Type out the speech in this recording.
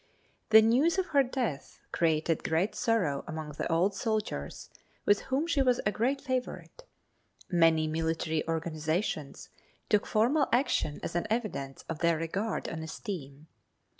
The news of her death created great sorrow among the old soldiers, with whom she was a great favorite. Many military organizations took formal action as an evidence of their regard and esteem.